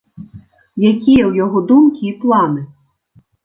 Якія ў яго думкі і планы?